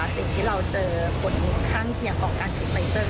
สิ่งที่เราเจอผลข้างเคียงของการฉีดไฟเซอร์